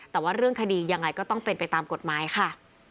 แต่ว่าเรื่องคดียังไงก็ต้องเป็นไปตามกฎหมายค่ะ